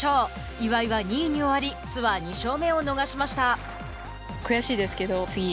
岩井は２位に終わりツアー２勝目を逃しました。